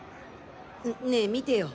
ねえ見てよ。